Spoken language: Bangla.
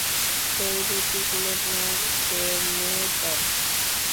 ঐ রুটিগুলোর নাম পেনেটন।